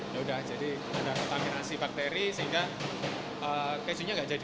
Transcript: yaudah jadi ada kontaminasi bakteri sehingga kejunya nggak jadi